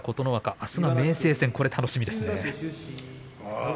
あす明生戦、楽しみですね。